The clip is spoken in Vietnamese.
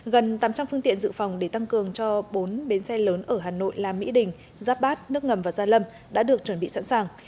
gần tám trăm linh phương tiện dự phòng để tăng cường cho bốn bến xe lớn ở hà nội là mỹ đình giáp bát nước ngầm và gia lâm đã được chuẩn bị sẵn sàng